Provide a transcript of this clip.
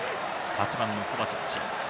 ８番のコバチッチ。